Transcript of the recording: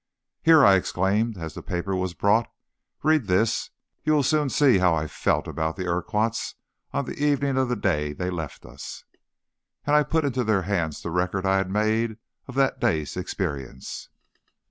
"Here!" I exclaimed, as the paper was brought, "read this, and you will soon see how I felt about the Urquharts on the evening of the day they left us." And I put into their hands the record I had made of that day's experience.